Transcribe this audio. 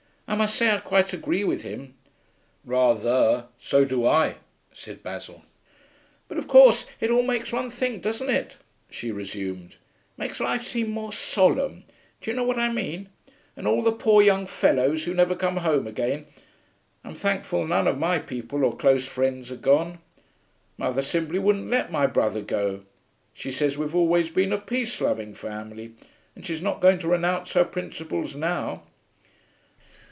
I must say I quite agree with him.' 'Rather, so do I,' said Basil. 'But of course it all makes one think, doesn't it?' she resumed. 'Makes life seem more solemn do you know what I mean? And all the poor young fellows who never come home again. I'm thankful none of my people or close friends are gone. Mother simply wouldn't let my brother go; she says we've always been a peace loving family and she's not going to renounce her principles now.